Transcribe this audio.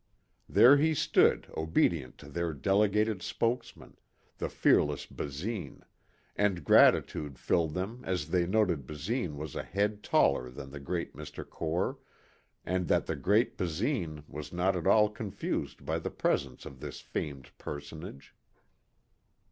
There he stood obedient to their delegated spokesman, the fearless Basine, and gratitude filled them as they noted Basine was a head taller than the great Mr. Core, and that the great Basine was not at all confused by the presence of this famed personage.